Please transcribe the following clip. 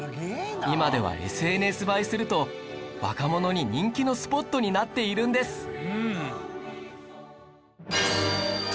今では ＳＮＳ 映えすると若者に人気のスポットになっているんです